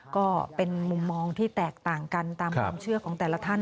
ก็เป็นมุมมองที่แตกต่างกันตามความเชื่อของแต่ละท่าน